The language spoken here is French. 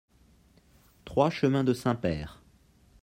trois chemin de Saint-Père